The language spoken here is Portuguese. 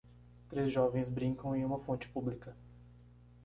Três jovens brincam em uma fonte pública.